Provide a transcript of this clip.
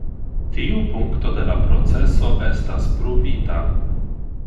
Tiu punkto de la proceso estas pruvita.